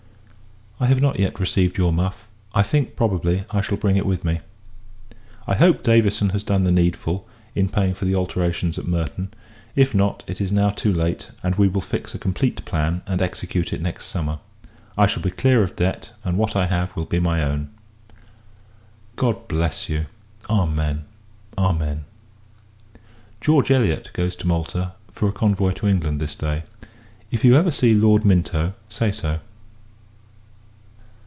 I have not yet received your muff; I think, probably, I shall bring it with me. I hope, Davison has done the needful, in paying for the alterations at Merton. If not, it is now too late; and we will fix a complete plan, and execute it next summer. I shall be clear of debt, and what I have will be my own. God bless you! Amen. Amen. George Elliot goes to Malta, for a convoy to England, this day. If you ever see Lord Minto, say so.